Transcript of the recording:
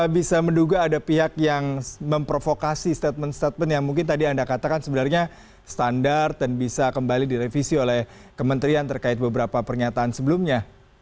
bisa menduga ada pihak yang memprovokasi statement statement yang mungkin tadi anda katakan sebenarnya standar dan bisa kembali direvisi oleh kementerian terkait beberapa pernyataan sebelumnya